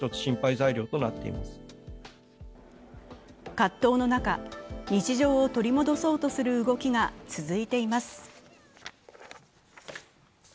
葛藤の中、日常を取り戻そうとする動きが続いています。